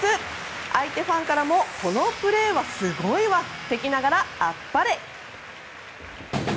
相手ファンからもこのプレーはすごいわ敵ながらアッパレ！